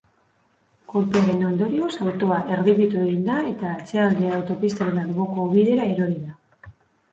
Kolpearen ondorioz autoa erdibitu egin da eta atzealdea autopistaren alboko ubidera erori da.